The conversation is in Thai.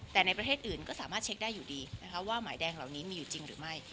แต่ในประเทศอื่นก็สามารถเช็คได้อยู่ดีนะคะว่าหมายแดงเหล่านี้มีอยู่จริงหรือไม่